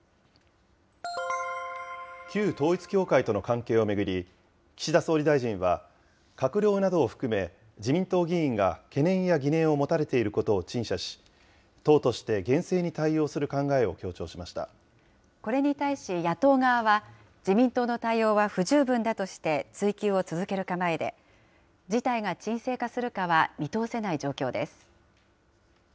旧統一教会との関係を巡り、岸田総理大臣は、閣僚などを含め、自民党議員が懸念や疑念を持たれていることを陳謝し、党として厳これに対し、野党側は自民党の対応は不十分だとして追及を続ける構えで、事態が沈静化するかは見通せない状況です。